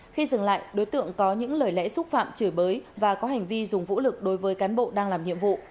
khi dừng lại đối tượng có những lời lẽ xúc phạm chửi bới và có hành vi dùng vũ lực đối với cán bộ đang làm nhiệm vụ